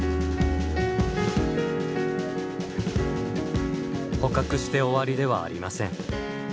捕獲して終わりではありません。